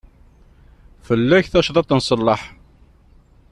Fell-ak tacḍat n ṣṣellaḥ.